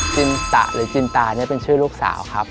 จินตะหรือจินตาเนี่ยเป็นชื่อลูกสาวครับ